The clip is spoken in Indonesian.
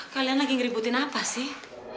kalian lagi ngeributin apa sih